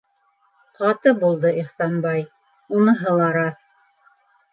Ҡаты булды Ихсанбай - уныһы ла раҫ.